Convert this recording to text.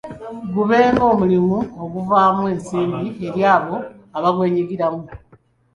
Gube omulimu oguvaamu ensimbi eri abo abagwenyigiramu.